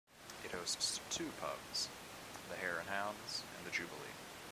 It hosts two pubs: the Hare and Hounds, and the Jubilee.